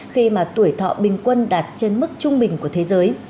khi mà tuổi thọ bình quân đạt trên mức trung bình của thế giới